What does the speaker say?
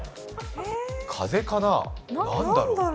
風かな、何だろう。